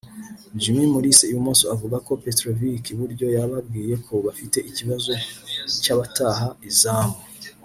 Jimmy Mulisa (Ibumoso) avuga ko Petrovic (iburyo) yababwiye ko bafite ikibazo cy'abataha izamu